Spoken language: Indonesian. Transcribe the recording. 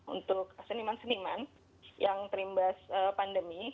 untuk seniman seniman yang terimbas pandemi